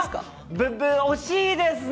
ブッブ、惜しいですね。